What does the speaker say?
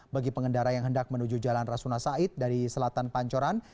bagi pengendara yang hendak menuju jalan rasuna said dari selatan pancoran